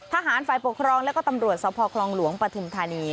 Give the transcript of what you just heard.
ทหารฝ่ายปกครองแล้วก็ตำรวจสภคลองหลวงปฐุมธานี